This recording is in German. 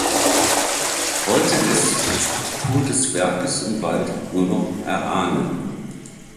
Heute lässt sich die Struktur des Werkes im Wald nur noch erahnen.